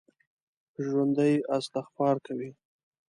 ژوندي استغفار کوي